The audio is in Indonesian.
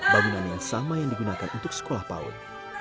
bangunan yang sama yang digunakan untuk sekolah paun